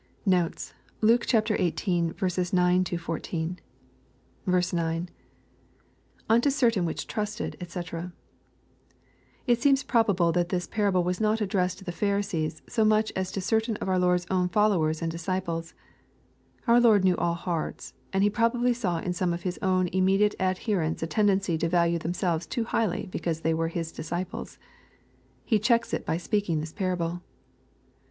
Notes. Luke XVIII. 9—14. 9. — [Unto certain which trusted^ ^c] It seems probable that this parable was not addressed to the Pharisees, so much as to certain of our Lord's own followers and disciples. Our Lord knew all hearts, and He probably saw in some of His own immediate ad herents a tendency to value themselves too highly because they were His disciples. He checks it by speaking this parable.